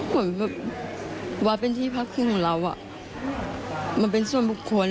เหมือนแบบว่าเป็นที่พักครึ่งของเรามันเป็นส่วนบุคคล